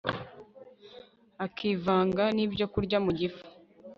akivanga nibyokurya mu gifu